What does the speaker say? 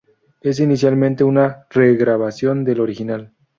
Es inicialmente una re-grabación del original.